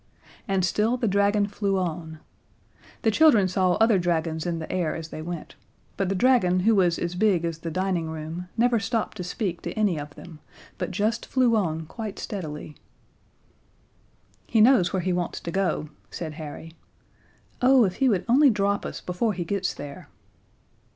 And still the dragon flew on. The children saw other dragons in the air as they went, but the dragon who was as big as the dining room never stopped to speak to any of them, but just flew on quite steadily. "He knows where he wants to go," said Harry. "Oh, if he would only drop us before he gets there!"